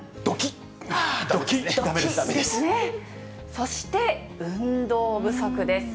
そして、運動不足です。